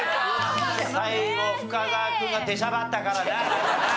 最後深澤君が出しゃばったからななんかな。